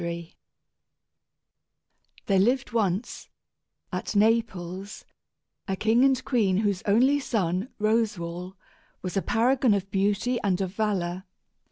] There lived once, at Naples, a king and queen whose only son, Roswal, was a paragon of beauty and of valor.